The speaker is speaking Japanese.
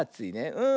うん。